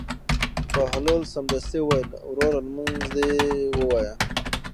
بهلول سمدستي وویل: وروره لمونځ دې ووایه.